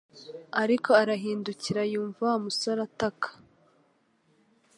ariko arahindukira yumva Wa musore ataka